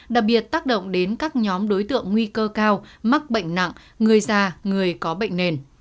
đặc biệt tác động đến các nhóm đối tượng nguy cơ cao mắc bệnh nặng người già người có bệnh nền